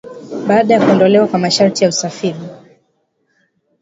baada ya kuondolewa kwa masharti ya usafiri